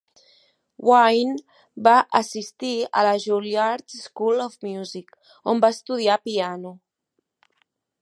Wine va assistir a la Juilliard School of Music, on va estudiar piano.